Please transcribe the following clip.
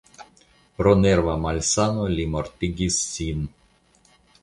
Pro nerva malsano li mortigis sin.